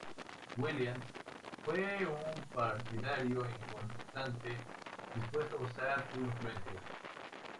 Williams fue un partidario importante dispuesto a usar su influencia.